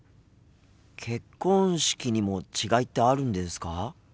結婚式にも違いってあるんですか？